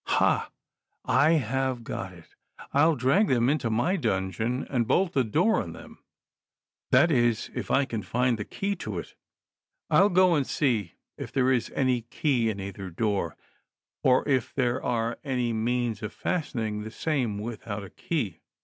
Ila ! I have got it — I'll drag them into my dungeon and bolt the door on them ; that is, if I can find the key to it ; I'll go and see if there is any key in either door, or if there are any means of fastening the same without a key.